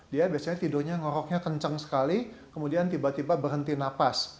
dia biasanya tidurnya ngoroknya kenceng sekali kemudian tiba tiba berhenti nafas